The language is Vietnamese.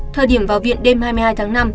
thời điểm vào viện đêm hai mươi hai tháng năm